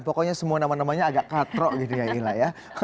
pokoknya semua nama namanya agak katro gitu ya